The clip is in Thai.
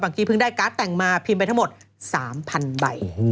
กี้เพิ่งได้การ์ดแต่งมาพิมพ์ไปทั้งหมด๓๐๐๐ใบ